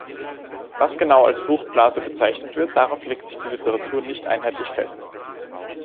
Was genau als „Fruchtblase“ bezeichnet wird, darauf legt sich die Literatur nicht einheitlich fest.